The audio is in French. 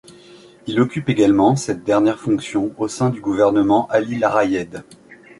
Il occupe également cette dernière fonction au sein du gouvernement Ali Larayedh.